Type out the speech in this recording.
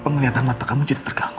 penglihatan mata kamu jadi terganggu